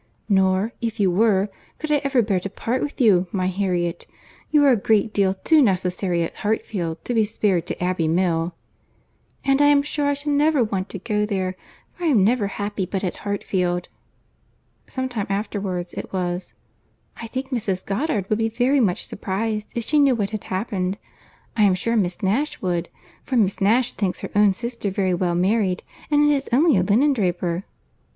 "Nor, if you were, could I ever bear to part with you, my Harriet. You are a great deal too necessary at Hartfield to be spared to Abbey Mill." "And I am sure I should never want to go there; for I am never happy but at Hartfield." Some time afterwards it was, "I think Mrs. Goddard would be very much surprized if she knew what had happened. I am sure Miss Nash would—for Miss Nash thinks her own sister very well married, and it is only a linen draper."